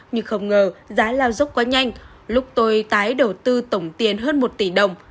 nhưng không ngờ giá lao dốc quá nhanh lúc tôi tái đầu tư tổng tiền hơn một tỷ đồng